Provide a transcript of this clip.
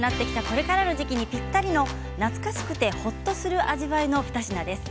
これからの時期にぴったりの懐かしくてほっとする味わいの２品です。